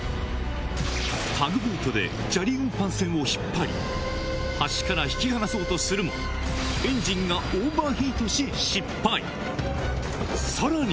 タグボートで砂利運搬船を引っ張り橋から引き離そうとするもエンジンがさらに！